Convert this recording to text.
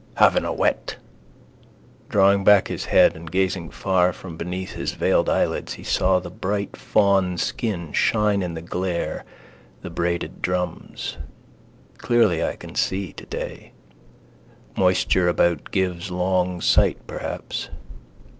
Having a wet. Drawing back his head and gazing far from beneath his vailed eyelids he saw the bright fawn skin shine in the glare, the braided drums. Clearly I can see today. Moisture about gives long sight perhaps.